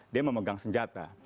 dia memegang senjata